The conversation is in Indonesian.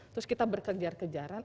terus kita berkejar kejaran